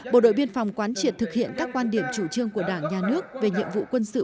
bộ đội biên phòng quán triệt thực hiện các quan điểm chủ trương của đảng nhà nước về nhiệm vụ quân sự